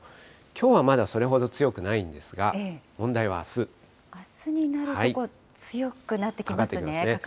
きょうはまだそれほど強くないんあすになると、強くなってきかかってきますね。